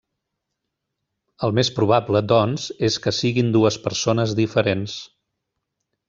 El més probable, doncs, és que siguin dues persones diferents.